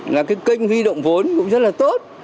là cái kênh huy động vốn cũng rất là tốt